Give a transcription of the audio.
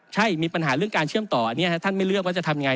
ใช่มีปัญหาเรื่องการเชื่อมต่ออันนี้ท่านไม่เลือกว่าจะทำยังไง